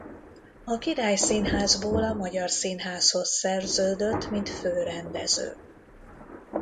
A Király Színházból a Magyar Színházhoz szerződött mint főrendező.